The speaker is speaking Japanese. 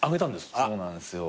そうなんですよ。